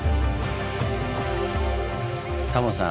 タモさん